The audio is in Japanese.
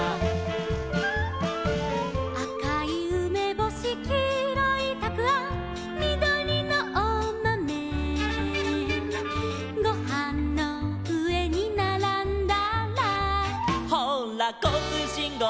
「あかいうめぼし」「きいろいたくあん」「みどりのおまめ」「ごはんのうえにならんだら」「ほうらこうつうしんごうだい」